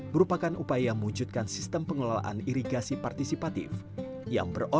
sekarang sudah terbentuk tiga tanah bahkan baru